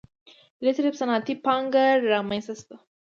په دې ترتیب صنعتي پانګه رامنځته شوه.